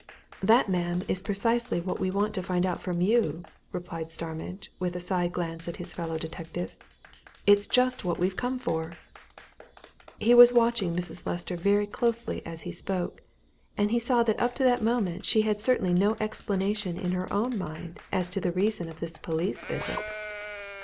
"That, ma'am, is precisely what we want to find out from you!" replied Starmidge, with a side glance at his fellow detective. "It's just what we've come for!" He was watching Mrs. Lester very closely as he spoke, and he saw that up to that moment she had certainly no explanation in her own mind as to the reason of this police visit.